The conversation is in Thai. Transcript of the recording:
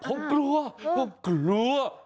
ผมกลัวผมกลัว